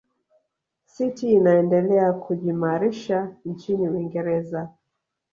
city inaendelea kujiimarisha nchini uingereza